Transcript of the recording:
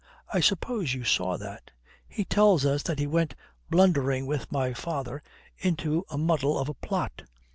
I suppose you saw that. He tells us that he went blundering with my father into a muddle of a plot."